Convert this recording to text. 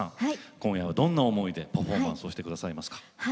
今夜はどんな思いでパフォーマンスをしてくださいますか。